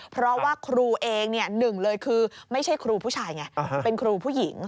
เพราะว่าครูเองหนึ่งเลยคือไม่ใช่ครูผู้ชายไงเป็นครูผู้หญิง